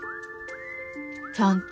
ちゃんと。